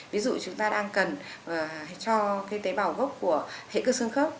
ví dụ chúng ta đang cần cho cái tế bào gốc của hệ cơ xương khớp